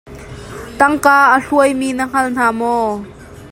Tangka a hluaimi na hngal hna maw?